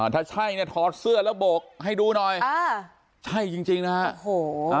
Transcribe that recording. ถ้าใช่เนี่ยถอดเสื้อแล้วโบกให้ดูหน่อยอ่าใช่จริงนะฮะโอ้โห